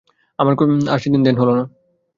আমার আর সেদিন ধ্যান হল না।